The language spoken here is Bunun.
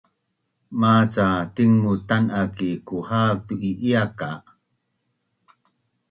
maca tingbut tan’a ki kuhav tu’i’ia ka’